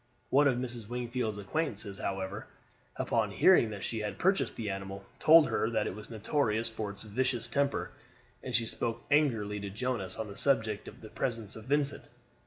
One of Mrs. Wingfield's acquaintances, however, upon hearing that she had purchased the animal, told her that it was notorious for its vicious temper, and she spoke angrily to Jonas on the subject in the presence of Vincent.